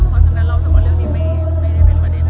เพราะฉะนั้นเรารู้สึกว่าเรื่องนี้ไม่ได้เป็นประเด็น